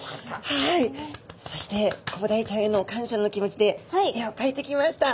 はいそしてコブダイちゃんへの感謝の気持ちで絵をかいてきました。